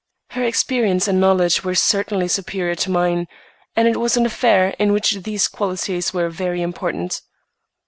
Her experience and knowledge were certainly superior to mine, and it was an affair in which these qualities were very important.